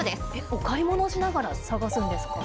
お買い物しながら探すんですか？